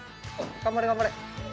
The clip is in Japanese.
頑張れ頑張れ。